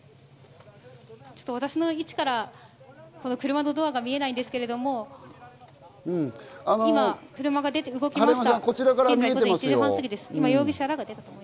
私の位置から車のドアが見えないんですけれども、今、車が出て動きました。